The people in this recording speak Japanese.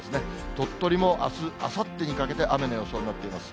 鳥取もあす、あさってにかけて予想になっています。